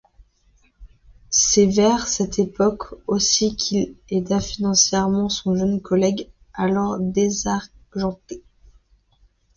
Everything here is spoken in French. C'est vers cette époque aussi qu'il aida financièrement son jeune collègue alors désargenté.